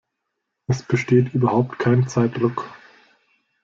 Es besteht überhaupt kein Zeitdruck.